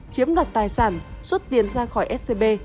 chiếm đoạt tài sản xuất tiền ra khỏi scb